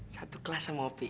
satu kelas sama opi